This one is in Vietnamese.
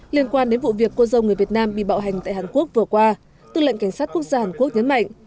liên quan đến vụ việc cô dâu người việt nam bị bạo hành tại hàn quốc vừa qua tư lệnh cảnh sát quốc gia hàn quốc nhấn mạnh